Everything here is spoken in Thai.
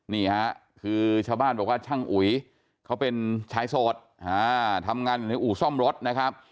นี่ฮะคือชาวบ้านบอกว่าช่างอุ๋ยเขาเป็นชายโสดทำงานอยู่ในอู่ซ่อมรถนะครับ